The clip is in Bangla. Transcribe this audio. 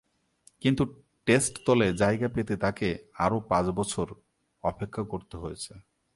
কিন্তু টেস্ট দলে জায়গা পেতে তাকে আরও পাঁচ বছয় অপেক্ষা করতে হয়েছে।